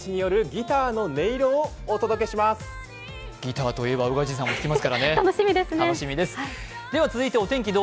ギターといえば宇賀神さんも弾きますから楽しみですね。